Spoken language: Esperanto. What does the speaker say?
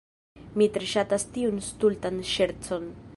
Mi tre ŝatas tiun stultan ŝercon.